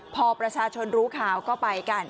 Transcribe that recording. พอประชาชนรู้ข่าวก็ไปกัน